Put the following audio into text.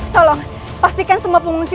tolong pastikan semua pengungsi